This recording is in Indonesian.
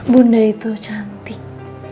bunda itu cantik